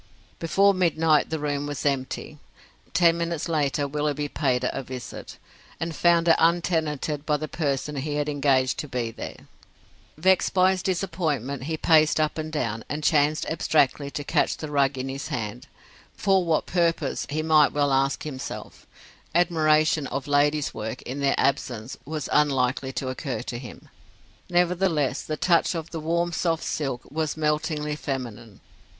Before midnight the room was empty. Ten minutes later Willoughby paid it a visit, and found it untenanted by the person he had engaged to be there. Vexed by his disappointment, he paced up and down, and chanced abstractedly to catch the rug in his hand; for what purpose, he might well ask himself; admiration of ladies' work, in their absence, was unlikely to occur to him. Nevertheless, the touch of the warm, soft silk was meltingly feminine.